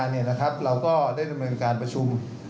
เราก็ได้ดำเนินการประชุม